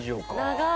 長い！